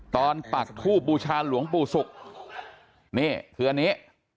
ปักทูบบูชาหลวงปู่ศุกร์นี่คืออันนี้